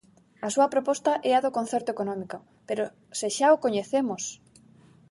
A súa proposta é a do concerto económico, ¡pero se xa o coñecemos!